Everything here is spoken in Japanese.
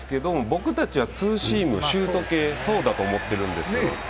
僕たちはツーシーム、シュート系だと思ってるんです。